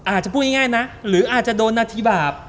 อาจจะพูดง่ายนะหรืออาจจะโดนนาทีบาป